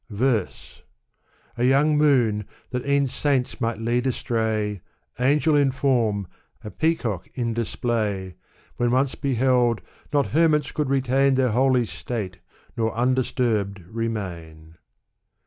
Fitrse. A young moon that e'en saints might lead astray, Angel in form, a peacock in display. When once beheld, not hermits could retain Their holy state, nor undisturbed remain.